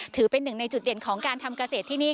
ถือเป็นหนึ่งในจุดเด่นของการทำเกษตรที่นี่